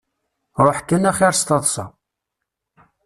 Ruḥ kan axir s taḍsa.